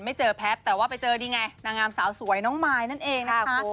ไม่เจอแพทย์แต่ว่าไปเจอนี่ไงนางงามสาวสวยน้องมายนั่นเองนะคะ